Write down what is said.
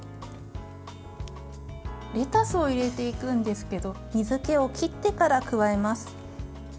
レタスを入れていくんですけど水けを切ってから加えます。